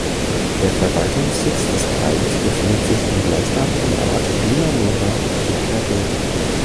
Der Verwaltungssitz des Kreises befindet sich im gleichnamigen Ort Vila Nova de Cerveira.